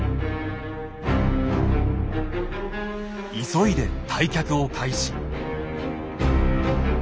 急いで退却を開始。